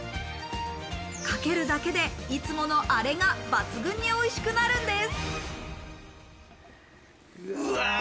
かけるだけでいつものアレが抜群に美味しくなるんです。